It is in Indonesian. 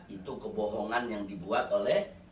itu kebohongan yang dibuat oleh